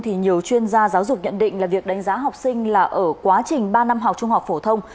thì nhiều chuyên gia giáo dục nhận định là việc đánh giá học sinh là ở quá trình ba năm học trung học phổ thông